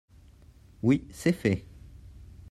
oui, c'est fait.